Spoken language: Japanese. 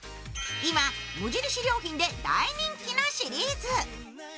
今、無印良品で大人気のシリーズ。